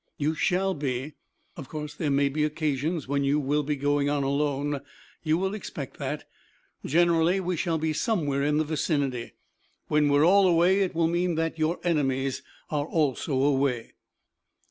"You shall be. Of course there may be occasions when you will be going on alone. You will expect that. Generally we shall be somewhere in the vicinity. When we are all away it will mean that your enemies are also away."